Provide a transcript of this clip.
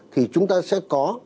thì chúng ta sẽ có